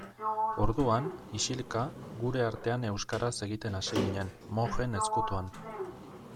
Orduan, isilka, gure artean euskaraz egiten hasi ginen, mojen ezkutuan.